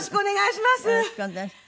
よろしくお願いします。